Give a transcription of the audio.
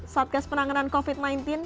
satgas penanganan covid sembilan belas